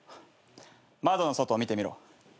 窓の外を見てみろ。